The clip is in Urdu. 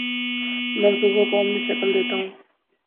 منصوبوں کو عملی شکل دیتا ہوں